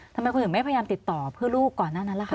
ทำไมคุณถึงไม่พยายามติดต่อเพื่อลูกก่อนหน้านั้นล่ะคะ